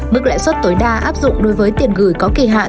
mức lãi suất tối đa áp dụng đối với tiền gửi có kỳ hạn